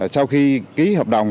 sau khi ký hợp đồng